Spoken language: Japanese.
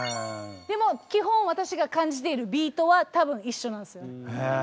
でも基本私が感じているビートは多分一緒なんですよ。へえ。